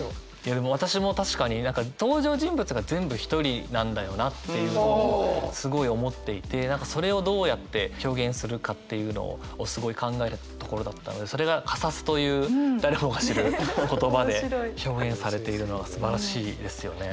でも私も確かに何か登場人物が全部一人なんだよなっていうのをすごい思っていて何かそれをどうやって表現するかっていうのをすごい考えたところだったのでそれが「火サス」という誰もが知る言葉で表現されているのはすばらしいですよね。